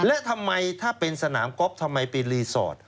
และทำไมถ้าเป็นสนามก๊อฟทำไมเป็นรีสอร์ท